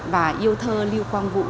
và yêu thơ lưu quang vũ